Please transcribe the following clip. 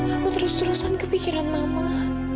aku terus terusan kepikiran mama